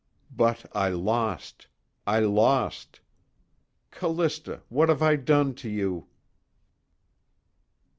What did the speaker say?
But I lost. I lost. _Callista, what have I done to you?